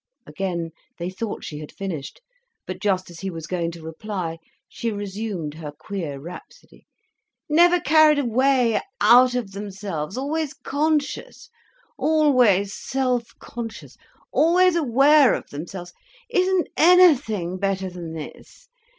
Again they thought she had finished. But just as he was going to reply, she resumed her queer rhapsody—"never carried away, out of themselves, always conscious, always self conscious, always aware of themselves. Isn't anything better than this?